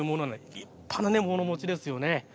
立派な物持ちですよね。